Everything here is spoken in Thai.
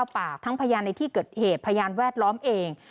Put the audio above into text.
ปากทั้งพยานในที่เกิดเหตุพยานแวดล้อมเอง